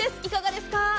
いかがですか？